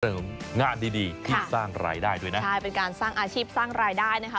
งานดีดีที่สร้างรายได้ด้วยนะใช่เป็นการสร้างอาชีพสร้างรายได้นะคะ